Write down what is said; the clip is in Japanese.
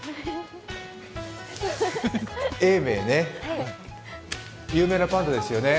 永明ね、有名なパンダですよね。